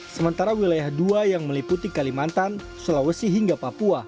sementara wilayah dua yang meliputi kalimantan sulawesi hingga papua